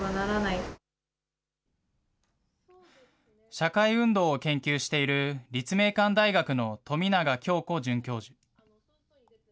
社会運動を研究している立命館大学の富永京子准教授。